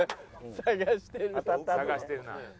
探してるな。